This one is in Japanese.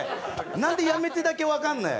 なんでやめてだけ分かんないの。